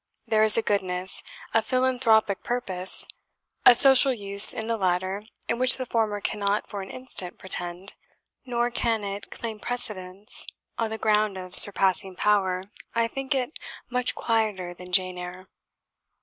There is a goodness, a philanthropic purpose, a social use in the latter to which the former cannot for an instant pretend; nor can it claim precedence on the ground of surpassing power I think it much quieter than 'Jane Eyre.'